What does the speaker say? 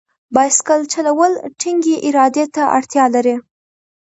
بایسکل چلول ټینګې ارادې ته اړتیا لري.